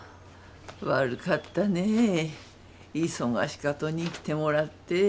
悪かったね忙しかとに来てもらって。